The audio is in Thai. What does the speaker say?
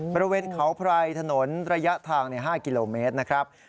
บริเวณเขาไพรถนนระยะทาง๕กิโลเมตรนะครับ